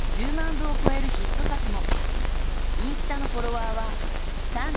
部を超えるヒット作も。